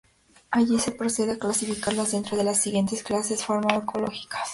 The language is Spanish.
Allí se procede a clasificarlas dentro de las siguientes clases farmacológicas.